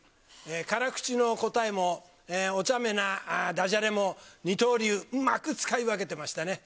辛口の答えも、おちゃめなだじゃれも二刀流、うまく使い分けてましたね。